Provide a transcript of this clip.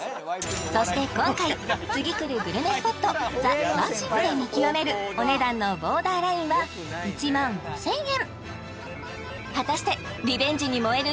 そして今回次くるグルメスポットＴＨＥＷＡＳＨＩＮで見極めるお値段のボーダーラインは１万５０００円果たしてリベンジに燃える